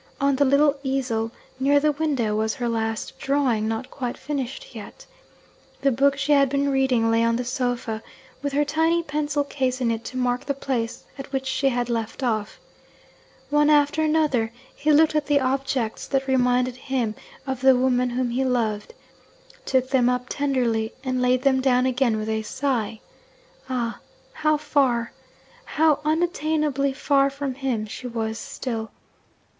On the little easel near the window was her last drawing, not quite finished yet. The book she had been reading lay on the sofa, with her tiny pencil case in it to mark the place at which she had left off. One after another, he looked at the objects that reminded him of the woman whom he loved took them up tenderly and laid them down again with a sigh. Ah, how far, how unattainably far from him, she was still!